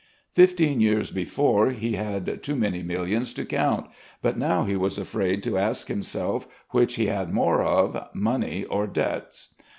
Fifteen years before he had too many millions to count, but now he was afraid to ask himself which he had more of, money or debts.